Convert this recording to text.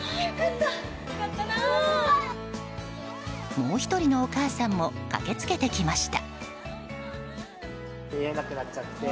もう１人のお母さんも駆けつけてきました。